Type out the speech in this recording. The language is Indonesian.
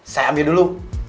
saya ambil dulu